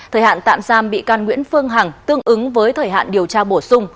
thời hạn tạm giam bị can nguyễn phương hằng tương ứng với thời hạn điều tra bổ sung